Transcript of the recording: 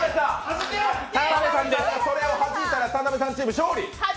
それをはじいたら田辺さんチーム勝利！